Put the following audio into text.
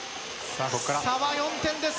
差は４点です。